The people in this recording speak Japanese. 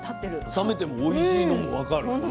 冷めてもおいしいのも分かるこの感じ。